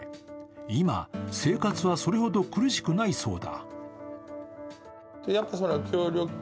今、生活はそれほど苦しくないそうだ。